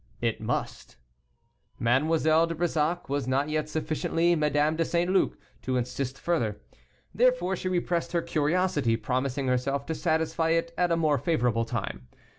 "It must." Mademoiselle de Brissac was not yet sufficiently Madame de St. Luc to insist further; therefore she repressed her curiosity, promising herself to satisfy it at a more favorable time.